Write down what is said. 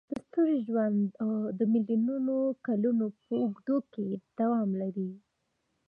د ستوري ژوند د میلیونونو کلونو په اوږدو کې دوام لري.